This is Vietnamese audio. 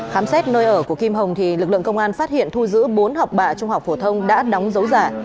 khám xét nơi ở của kim hồng thì lực lượng công an phát hiện thu giữ bốn học bạ trung học phổ thông đã đóng dấu giả